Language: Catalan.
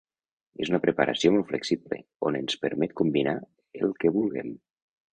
És una preparació molt flexible, on ens permet combinar el que vulguem.